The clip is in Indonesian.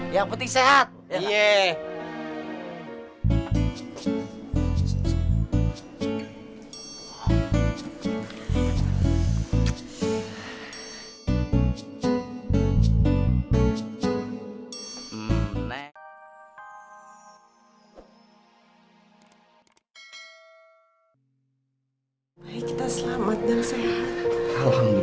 yang penting sehat